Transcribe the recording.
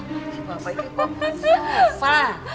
bapak itu bapak sofa